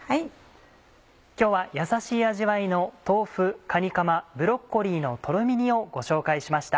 今日はやさしい味わいの「豆腐かにかまブロッコリーのとろみ煮」をご紹介しました